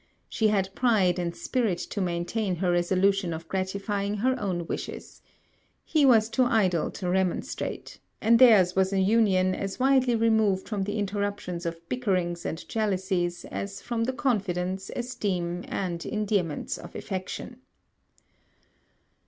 She had pride and spirit to maintain her resolution of gratifying her own wishes. He was too idle to remonstrate: and theirs was an union as widely removed from the interruptions of bickerings and jealousies, as from the confidence, esteem, and endearments of affection.